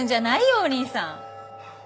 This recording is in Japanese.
お兄さん。